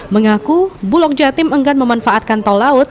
mengaku bulog jatim enggan memanfaatkan tol laut